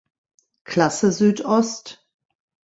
Klasse Südost.